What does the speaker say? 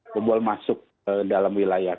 bobol masuk dalam wilayah